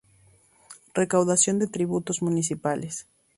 Recaudación de tributos municipales.